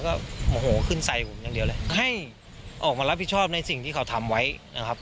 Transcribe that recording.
ก็โอ้โหขึ้นใส่ผมอย่างเดียวเลยให้ออกมารับผิดชอบในสิ่งที่เขาทำไว้นะครับ